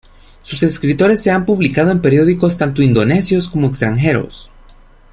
Sus escritos se han publicado en periódicos tanto indonesios como extranjeros.